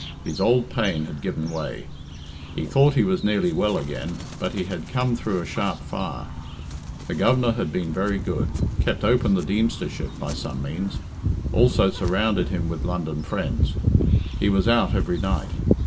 His old pain had given way; he thought he was nearly well again, but he had come through a sharp fire. The Governor had been very good kept open the Deemstership by some means also surrounded him with London friends he was out every night.